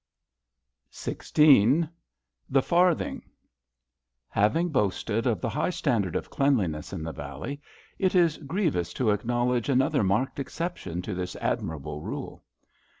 66 XVI THE FARTHING Having boasted of the high standard of cleanliness in the valley, it is grievous to acknowledge another marked exception to this admirable rule.